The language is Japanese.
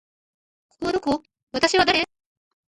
ここはどこ？私は誰？